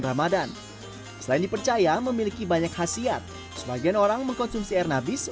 ramadan selain dipercaya memiliki banyak khasiat sebagian orang mengkonsumsi air nabis